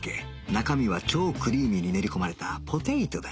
中身は超クリーミーに練り込まれたポテイトだ